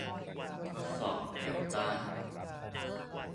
ทดสอบแนวต้าน